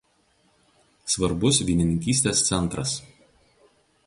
Svarbus vynininkystės centras.